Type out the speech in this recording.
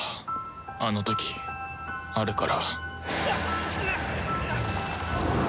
あの時あれから